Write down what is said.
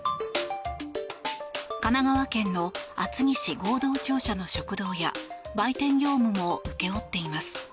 神奈川県の厚木市合同庁舎の食堂や売店業務も請け負っています。